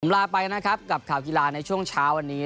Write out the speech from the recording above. ลาไปนะครับกับข่าวกีฬาในช่วงเช้าวันนี้